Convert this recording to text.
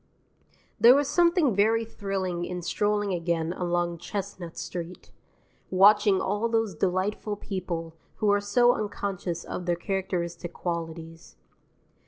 There was something very thrilling in strolling again along Chestnut Street, watching all those delightful people who are so unconscious of their characteristic qualities.